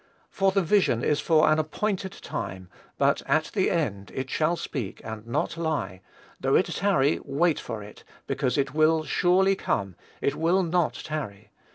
"For the vision is for an appointed time, but at the end it shall speak, and not lie; though it tarry, wait for it; because it will surely come, it will not tarry